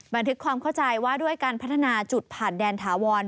บันทึกความเข้าใจว่าด้วยการพัฒนาจุดผ่านแดนถาวร